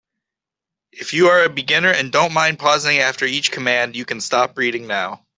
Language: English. If you are a beginner and don't mind pausing after each command, you can stop reading now.